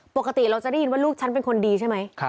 ปกติเราจะได้ยินว่าลูกฉันเป็นคนดีใช่ไหม